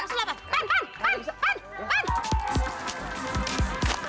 masuk lah emak